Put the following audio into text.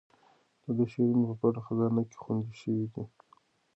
د ده شعرونه په پټه خزانه کې خوندي شوي دي.